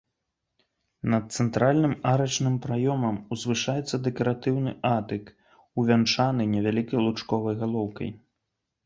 Над цэнтральным арачным праёмам узвышаецца дэкаратыўны атык, увянчаны невялікай лучковай галоўкай.